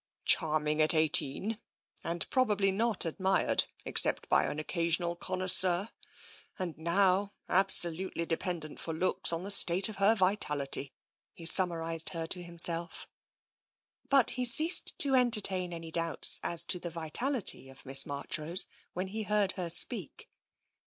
Charming at eighteen — and probably not ad mired, except by an occasional connoisseur — and now absolutely dependent for looks on the state of her vitality," he summarised her to himself. But he ceased to entertain any doubts as to the vital ity of Miss Marchrose when he heard her speak.